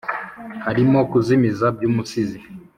harimo kuzimiza by’umusizi